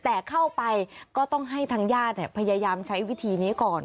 แต่เข้าไปก็ต้องให้ทางญาติพยายามใช้วิธีนี้ก่อน